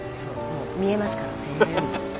もう見えますから全部。